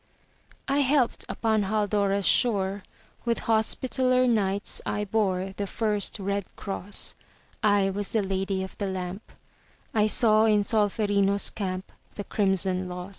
I helped upon Haldora's shore; With Hospitaller Knights I bore The first red cross; I was the Lady of the Lamp; I saw in Solferino's camp The crimson loss.